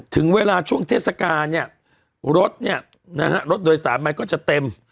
ถึงเวลาช่วงเทศกาลเนี่ยรถโดยสารมันก็จะเต็ม